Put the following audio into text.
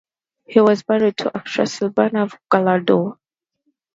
He was married to actress Silvana Gallardo.